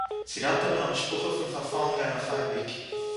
צו ראַטעווען אַ משפּחה פון פאַרפאַלן גיין אויף אייביג